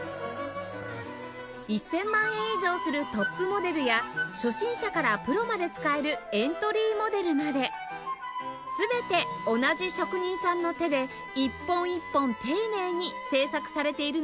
１０００万円以上するトップモデルや初心者からプロまで使えるエントリーモデルまで全て同じ職人さんの手で一本一本丁寧に製作されているのです